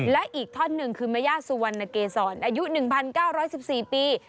และอีกท่อนหนึ่งคือแม่ย่าสุวรรณเกษรอายุ๑๙๑๔ปี